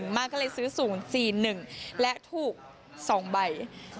มาร์ก็เลยซื้อศูนย์๔๑และถูก๒ใบ